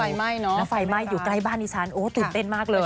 แล้วไฟไหม้อยู่ใกล้บ้านดิฉันโอ้ตื่นเต้นมากเลย